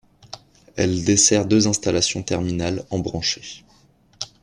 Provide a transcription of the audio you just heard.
Elle dessert deux installations terminales embranchées.